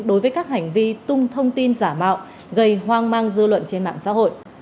đối với các hành vi tung thông tin giả mạo gây hoang mang dư luận trên mạng xã hội